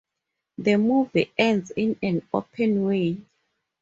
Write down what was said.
The movie ends in an open way.